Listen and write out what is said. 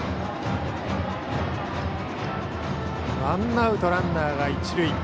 ワンアウト、ランナーが一塁。